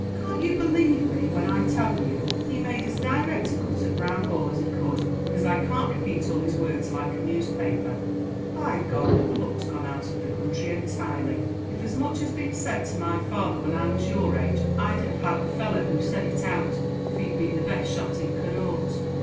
"Can't you believe me, when I tell you, he made as direct a cut at Brown Hall as he could, because I can't repeat all his words like a newspaper? By G d the pluck's gone out of the country entirely! if as much had been said to my father, when I was your age, I'd have had the fellow who said it out, if he'd been the best shot in Connaught."